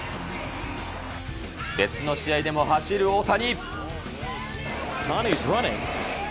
別の試合でも走る大谷。